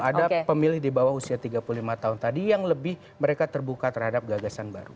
ada pemilih di bawah usia tiga puluh lima tahun tadi yang lebih mereka terbuka terhadap gagasan baru